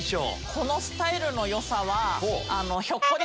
このスタイルの良さは。